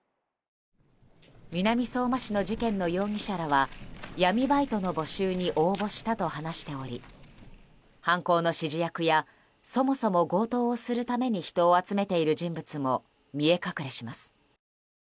南相馬市の事件の容疑者らは闇バイトの募集に応募したと話しており犯行の指示役やそもそも強盗をするために人を集めている人物も見え隠れします。